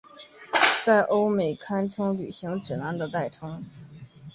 在欧美堪称旅行指南的代称。